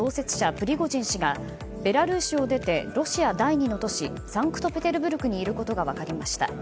プリゴジン氏がベラルーシを出てロシア第２の都市サンクトペテルブルクにいることが分かりました。